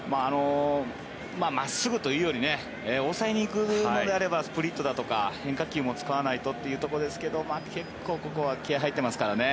真っすぐというより抑えに行くのであればスプリットだとか変化球も使わないとというところですが結構、ここは気合が入ってますからね。